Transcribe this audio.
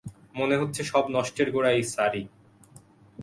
মনে হচ্ছে সব নষ্টের গোড়া এই স্যারই।